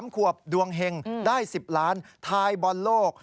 ๓ขวบดวงเห็งได้๑๐ล้านทายบอลโลก